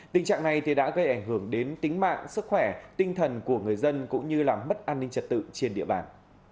tình trạng này đã gây ảnh hưởng đến tính mạng sức khỏe tinh thần của người dân cũng như làm mất an ninh trật tự trên địa bàn